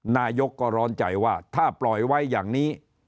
นายกก็ร้อนใจว่าถ้าปล่อยไว้อย่างนี้